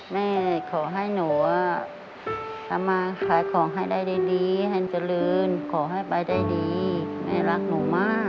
แม่ขอให้หนูทำมาขายของให้ได้ดีแห่งเจริญขอให้ไปได้ดีแม่รักหนูมาก